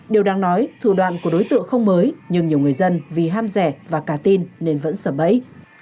điều đáng nói thủ đoàn của đối tượng không mới nhưng nhiều người dân vì ham rẻ và cà tin nên vẫn sở bẫy